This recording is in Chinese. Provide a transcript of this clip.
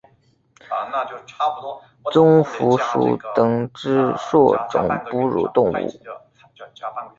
棕蝠属等之数种哺乳动物。